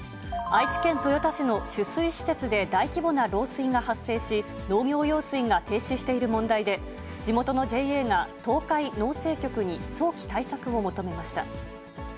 愛知県豊田市の取水施設で大規模な漏水が発生し、農業用水が停止している問題で、地元のＪＡが、東海農政局に早期対策を求めました。